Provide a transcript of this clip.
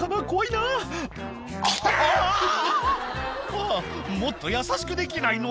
「あぁもっと優しくできないの？」